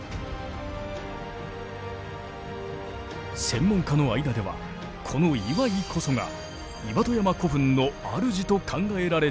専門家の間ではこの磐井こそが岩戸山古墳の主と考えられている。